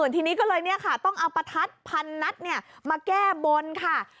ทีนี้ก็เลยต้องเอาประทัดพันนัดมาแก้บนค่ะ